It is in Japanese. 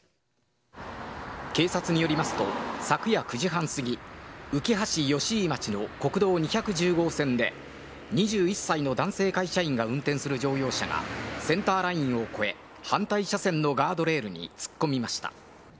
警察によりますと、昨夜９時半過ぎ、うきは市吉井町の国道２１０号線で、２１歳の男性会社員が運転する乗用車がセンターラインを越え、反対車線のガードレールに突っ込みました。